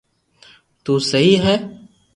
تو سھي ھي